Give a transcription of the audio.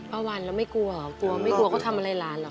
ป้าวันแล้วไม่กลัวหรอกลัวไม่กลัวเขาทำอะไรหลานหรอคะ